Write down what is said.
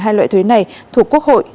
hai loại thuế này thuộc quốc hội